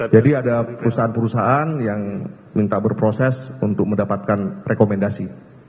jadi ada perusahaan perusahaan yang minta berproses untuk mendapatkan rekomendasi